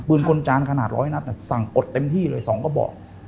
คนจานขนาด๑๐๐นัดสั่งอดเต็มที่เลย๒กระบอก